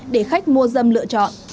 để khách mua dâm lựa chọn